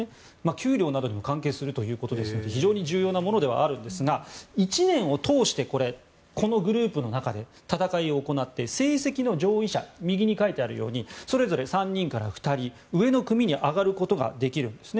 給料などにも関係するということなので非常に重要なものではあるんですが１年を通してこのグループの中で戦いを行って成績の上位者右に書いてあるようにそれぞれ３人から２人上の組に上がることができるですね。